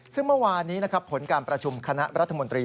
ซึ่งเมื่อวานนี้นะครับผลการประชุมคณะรัฐมนตรี